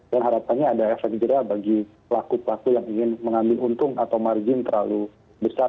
harapannya ada efek jerah bagi pelaku pelaku yang ingin mengambil untung atau margin terlalu besar